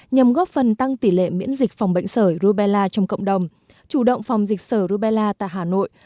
nhằm góp phần tăng tỷ lệ miễn dịch phòng bệnh sởi rubella trong cộng đồng chủ động phòng dịch sởi rubella tại hà nội